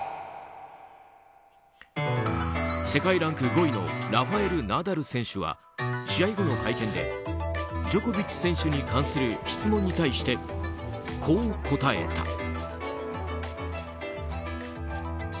世界ランク５位のラファエル・ナダル選手は試合後の会見でジョコビッチ選手に関する質問に対してこう答えた。